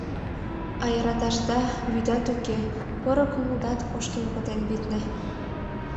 А йӧрташда вӱдат уке, поро кумылдат кошкен пытен, витне.